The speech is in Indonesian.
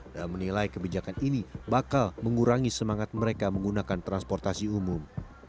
dan menilai kebijakan ini bakal mengurangi semangat mereka menggunakan transportasi umum